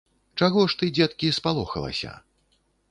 Чаго ж, ты, дзеткі, спалохалася?